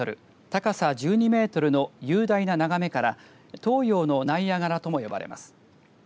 高さ１２メートルの雄大な眺めから東洋のナイアガラとも呼ばれます。